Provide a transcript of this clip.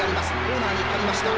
コーナーにかかりました。